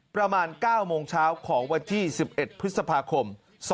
ประมาณ๙โมงเช้าของวันที่๑๑พฤษภาคม๒๕๖